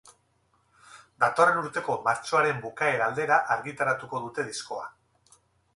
Datorren urteko martxoaren bukaera aldera argitaratuko dute diskoa.